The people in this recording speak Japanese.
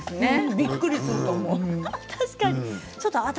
びっくりすると思う。